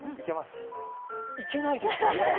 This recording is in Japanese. いけないですよ。